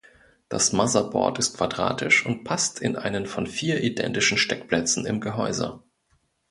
Das Motherboard ist quadratisch und passt in einen von vier identischen Steckplätzen im Gehäuse.